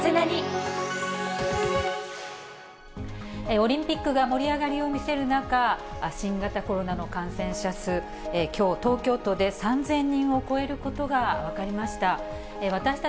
オリンピックが盛り上がりを見せる中、新型コロナの感染者数、きょう、東京都で３０００人を超えることが分かりました。